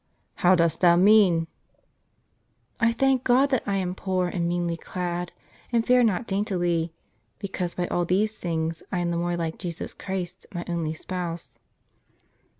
" How dost thou mean? " "I thank God that I am poor and meanly clad, and fare not daintily ; because by all these things I am the more like Jesus Christ, my only Spouse."